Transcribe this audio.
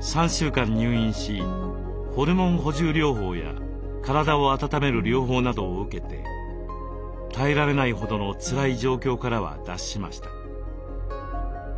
３週間入院しホルモン補充療法や体を温める療法などを受けて耐えられないほどのつらい状況からは脱しました。